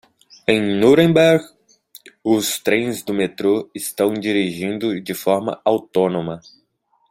Em Nuremberg, os trens do metrô estão dirigindo de forma autônoma.